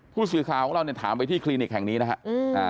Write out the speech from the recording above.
ผู้สื่อข่าวของเราเนี่ยถามไปที่คลินิกแห่งนี้นะครับ